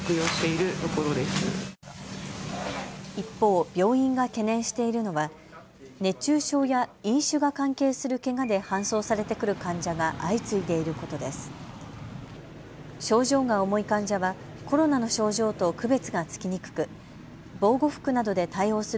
一方、病院が懸念しているのは熱中症や飲酒が関係するけがで搬送されてくる患者が相次いでいることです。